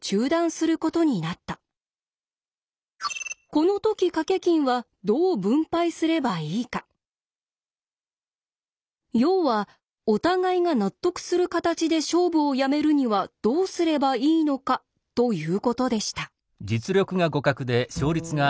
その問題とは要はお互いが納得する形で勝負をやめるにはどうすればいいのかということでした。